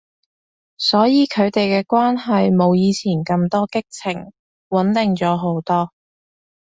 所以佢哋嘅關係冇以前咁多激情，穩定咗好多